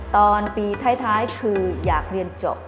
ตอนปีท้ายคืออยากเรียนจบ